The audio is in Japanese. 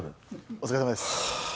お疲れさまです。